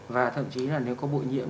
và thậm chí là nếu có bội nhiễm